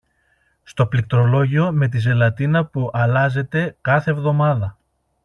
στο πληκτρολόγιο με τη ζελατίνα που αλλάζεται κάθε εβδομάδα